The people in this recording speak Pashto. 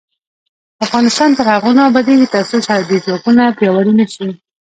افغانستان تر هغو نه ابادیږي، ترڅو سرحدي ځواکونه پیاوړي نشي.